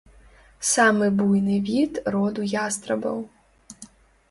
Самы буйны від роду ястрабаў.